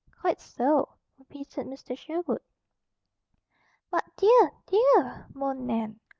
"Quite so," repeated Mr. Sherwood. "But, dear, DEAR!" moaned Nan.